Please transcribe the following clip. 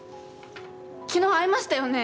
昨日会いましたよね？